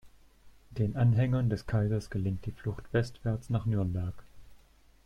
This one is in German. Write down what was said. Den Anhängern des Kaisers gelingt die Flucht westwärts nach Nürnberg.